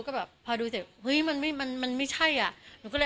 ก็แบบพอดูเสร็จเฮ้ยมันไม่มันมันไม่ใช่อ่ะหนูก็เลย